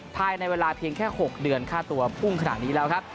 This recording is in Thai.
ภายในเวลาเพียงแค่๖เดือนค่าตัวพุ่งขนาดนี้แล้วครับ